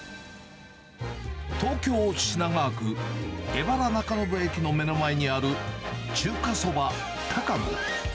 東京・品川区荏原中延駅の目の前にある、中華そば多賀野。